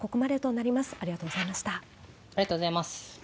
ありがとうございます。